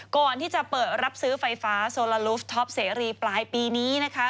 ก่อนที่จะเปิดรับซื้อไฟฟ้าโซลาลูฟท็อปเสรีปลายปีนี้นะคะ